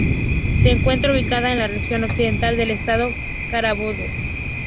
Se encuentra ubicado en la "Región Occidental" del Estado Carabobo.